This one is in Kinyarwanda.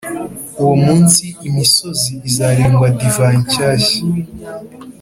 Uwo munsi, imisozi izarengwa divayi nshyashya,